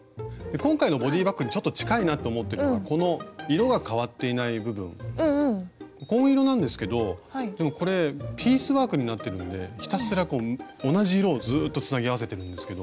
今回のボディーバッグにちょっと近いなって思ってるのがこの色が変わっていない部分紺色なんですけどでもこれピースワークになってるんでひたすら同じ色をずっとつなぎ合わせてるんですけど。